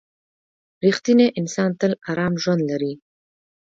• رښتینی انسان تل ارام ژوند لري.